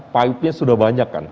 pipe nya sudah banyak kan